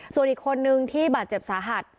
ส่วนอีกคนนึงที่บาดเจ็บสาหัส